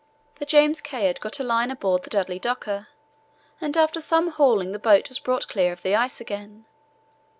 The James Caird got a line aboard the Dudley Docker, and after some hauling the boat was brought clear of the ice again.